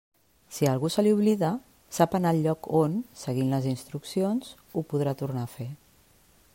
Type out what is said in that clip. Si a algú se li oblida, sap anar al lloc on, seguint les instruccions, ho podrà tornar a fer.